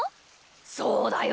そうだよ。